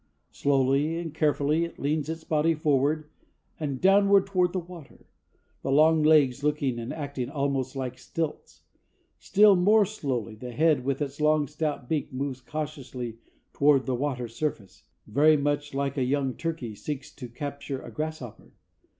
Slowly and carefully it leans its body forward and downward toward the water, the long legs looking and acting almost like stilts; still more slowly the head with its long, stout beak moves cautiously toward the water surface, very much like a young turkey seeks to capture a grasshopper.